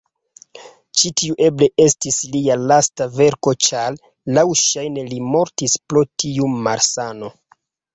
Ĉi-tiu eble estis lia lasta verko ĉar laŭŝajne li mortis pro tiu malsano.